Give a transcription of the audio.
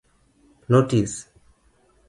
Notis;